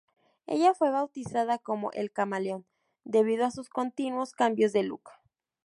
Ella fue bautizada como "El Camaleón" debido a sus continuos cambios de look.